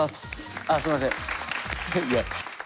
あっすんません。